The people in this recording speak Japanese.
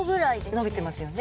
伸びてますよね。